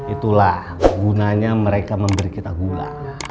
itulah gunanya mereka memberi kita gula